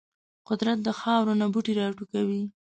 قدرت د خاورو نه بوټي راټوکوي.